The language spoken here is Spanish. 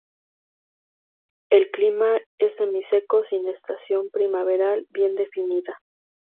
El clima es semiseco, sin estación primaveral bien definida.